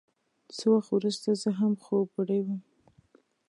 څه وخت وروسته زه هم خوب وړی وم.